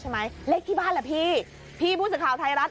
ใช่ไหมเลขที่บ้านเหรอพี่พี่ผู้สื่อข่าวไทยรัฐ